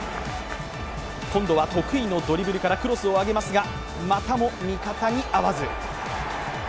今度は得意のドリブルからクロスを上げますがまたも味方に合わず。